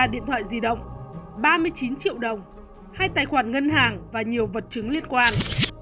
ba điện thoại di động ba mươi chín triệu đồng hai tài khoản ngân hàng và nhiều vật chứng liên quan